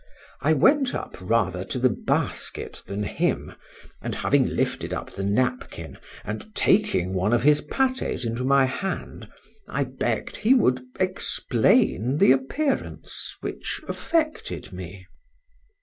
—I went up rather to the basket than him, and having lifted up the napkin, and taking one of his pâtés into my hand,—I begg'd he would explain the appearance which affected me.